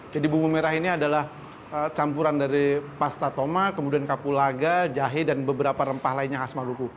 jadi bumbu merah ini adalah campuran dari pasta toma kemudian kapulaga jahe dan beberapa rempah lainnya khas maluku